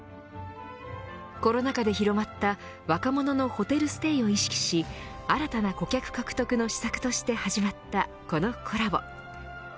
コロナ禍で広まった若者のホテルステイを意識し新たな顧客獲得の施策として始まったこのコラボ。